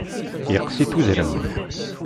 Yeqqes-it uzrem.